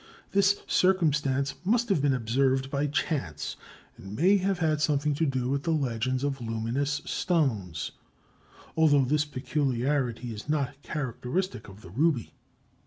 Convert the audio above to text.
This circumstance must have been observed by chance, and may have had something to do with the legends of luminous stones, although this peculiarity is not characteristic of the ruby.